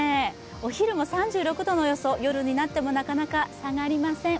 お昼も３６度の予想、夜になってもなかなか下がりません。